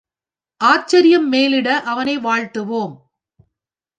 ஆச்சரியம் மேலிட அவனை வாழ்த்துவோம்.